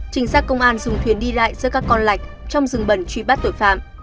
trình sát công an dùng thuyền đi lại giữa các con lạch trong rừng bẩn truy bắt tội phạm